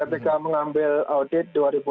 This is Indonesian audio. sebetulnya berseleihnya dari audit bpkp pak